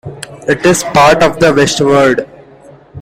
It is part of the West Ward.